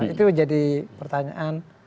itu jadi pertanyaan